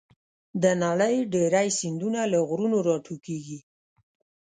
د نړۍ ډېری سیندونه له غرونو راټوکېږي.